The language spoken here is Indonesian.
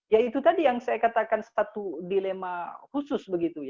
ya itu tadi yang saya katakan satu dilema khusus